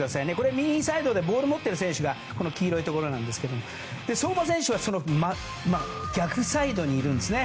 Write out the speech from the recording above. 右サイドでボールを持っている選手が黄色いところなんですけど相馬選手は逆サイドにいるんですね。